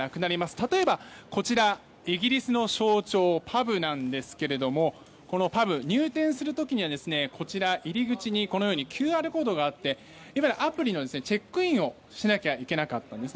例えば、こちらイギリスの象徴のパブですがこのパブ、入店する時にはこちら、入り口にＱＲコードがあってアプリのチェックインをしなければいけなかったんです。